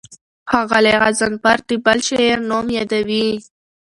ښاغلی غضنفر د بل شاعر نوم یادوي.